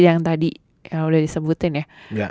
yang tadi yang udah disebutin ya